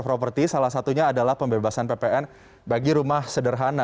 properti salah satunya adalah pembebasan ppn bagi rumah sederhana